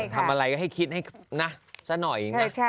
ทำอะไรก็ให้คิดให้นะซะหน่อยอย่างนี้